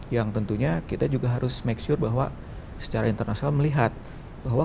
yang tentunya kita juga harus make sure bahwa secara internasional melihat bahwa